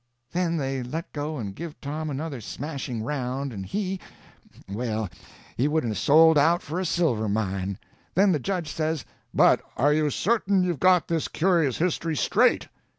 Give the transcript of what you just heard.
Then they let go and give Tom another smashing round, and he—well, he wouldn't 'a' sold out for a silver mine. Then the judge says: "But are you certain you've got this curious history straight?"